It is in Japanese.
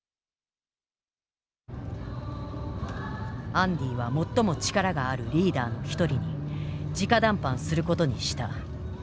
アンディは最も力があるリーダーの一人にじか談判することにした。